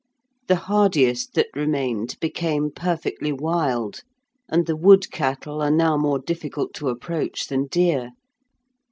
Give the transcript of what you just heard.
The hardiest that remained became perfectly wild, and the wood cattle are now more difficult to approach than deer.